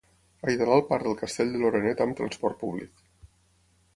He d'anar al parc del Castell de l'Oreneta amb trasport públic.